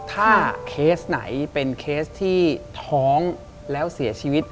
ถ้าเคสไหนเป็นเคสที่ท้องแล้วเสียชีวิต